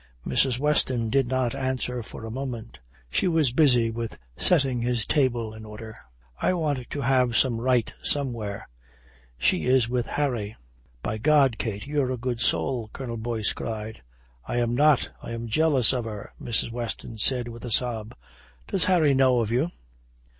Mrs. Weston did not answer for a moment. She was busy with setting his table in order. "I want to have some right somewhere. She is with Harry." "By God, Kate, you're a good soul," Colonel Boyce cried. "I am not. I am jealous of her," Mrs. Weston said with a sob. "Does Harry know of you?"